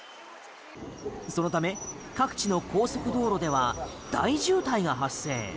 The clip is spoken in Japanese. そのため各地の高速道路では大渋滞が発生。